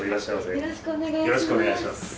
よろしくお願いします。